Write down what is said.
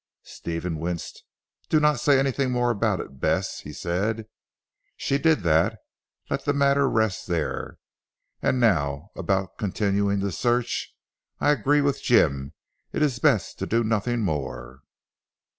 Stephen winced. "Do not say anything more about it Bess," he said, "she did that. Let the matter rest there. And now about continuing the search. I agree with Jim; it is best to do nothing more."